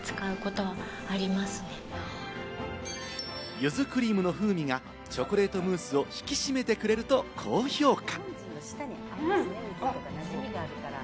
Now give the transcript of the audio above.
ユズクリームの風味がチョコレートムースを引き締めてくれると高評価。